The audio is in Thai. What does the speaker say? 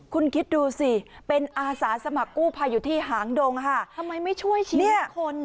คุณคิดดูสิเป็นอาสาสมัครกู้ภัยอยู่ที่หางดงค่ะทำไมไม่ช่วยชีวิตเนี่ยคน